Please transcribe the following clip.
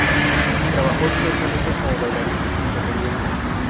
Trabajó extensamente como bailarín independiente.